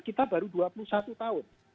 kita baru dua puluh satu tahun